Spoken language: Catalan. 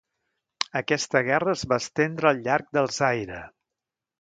Aquesta guerra es va estendre al llarg del Zaire.